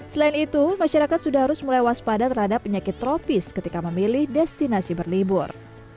selain itu masyarakat sudah harus mulai waspada terhadap penyakit tropis ketika memilih destinasi berlibur